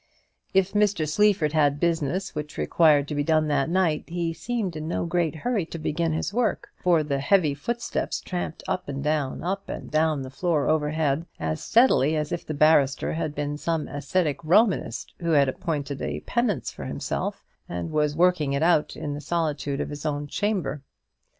If Mr. Sleaford had business which required to be done that night, he seemed in no great hurry to begin his work; for the heavy footsteps tramped up and down, up and down the floor overhead, as steadily as if the barrister had been some ascetic Romanist who had appointed a penance for himself, and was working it out in the solitude of his own chamber.